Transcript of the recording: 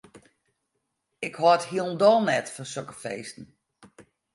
Ik hâld hielendal net fan sokke feesten.